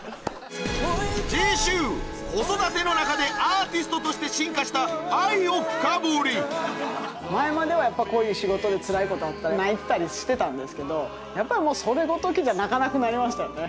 次週子育ての中でアーティストとして進化したＡＩを深掘り前までは仕事でつらいことあったら泣いてたりしてたんですけどやっぱりもうそれごときじゃ泣かなくなりましたよね。